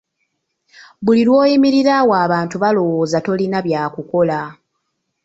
Buli lw’oyimirira awo abantu balowooza tolina bya kukola.